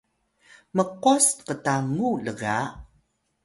mqwas qtangu lga